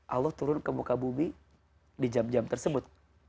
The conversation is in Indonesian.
allah turun ke muka bumi di jam jam tersebut